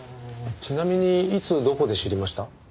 ちなみにいつどこで知りました？